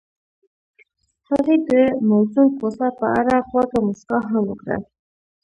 هغې د موزون کوڅه په اړه خوږه موسکا هم وکړه.